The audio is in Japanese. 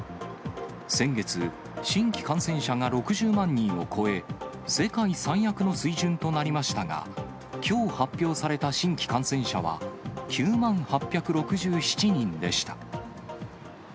先月、新規感染者が６０万人を超え、世界最悪の水準となりましたが、きょう発表された新規感染者は９万８６７人でした。